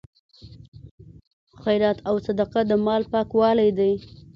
خیرات او صدقه د مال پاکوالی دی.